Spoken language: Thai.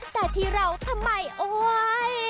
แต่ที่เราทำไมโอ๊ย